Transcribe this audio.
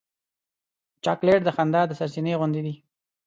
چاکلېټ د خندا د سرچېنې غوندې دی.